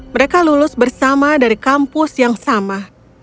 mereka lulus bersama dari kampus yang sama